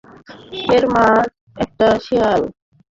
এর মা একটা শেয়াল!